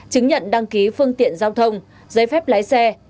chứng nhận đăng ký phương tiện giao thông giấy phép lái xe